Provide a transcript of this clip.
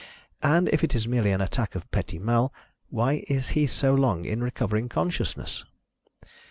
And if it is merely an attack of petit mal, why is he so long in recovering consciousness?"